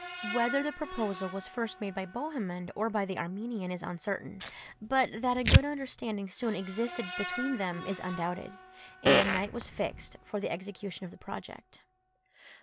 Whether the proposal was first made by Bohemund or by the Armenian is uncertain, but that a good understanding soon existed between them is undoubted; and a night was fixed for the execution of the project.